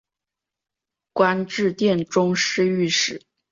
官至殿中侍御史。